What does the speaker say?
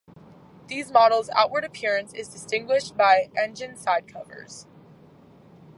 These models outward appearance is distinguished by engine side covers.